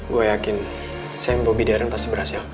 gue yakin saya mimpi bobby darren pasti berhasil